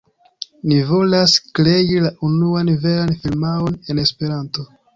Ni volas krei la unuan veran firmaon en Esperanto.